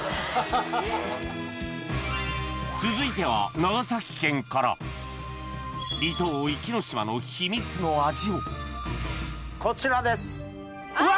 ・続いては離島壱岐島の秘密の味をこちらですうわ！